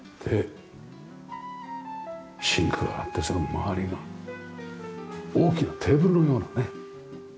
シンクがあってその周りが大きなテーブルなのね。